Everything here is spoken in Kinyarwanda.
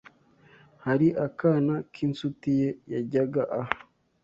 hari akana k'insuti ye yajyaga aha